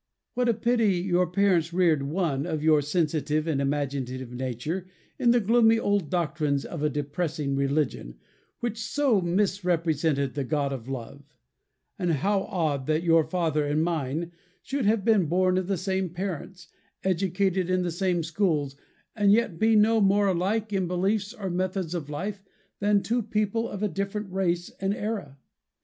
What a pity your parents reared one of your sensitive and imaginative nature in the gloomy old doctrines of a depressing religion, which so misrepresented the God of love: and how odd that your father and mine should have been born of the same parents, educated in the same schools, and yet be no more alike in beliefs or methods of life than two people of a different race and era.